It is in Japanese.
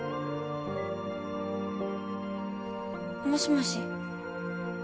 もしもし。